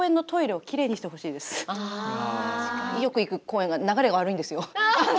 よく行く公園が流れが悪いんですよ。